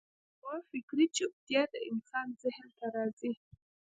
یوه فکري چوپتیا د انسان ذهن ته راځي.